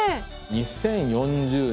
２０４０年